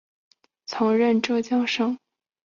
曾任浙江省第八师范学校舍监和国文教师。